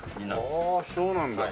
ああそうなんだ。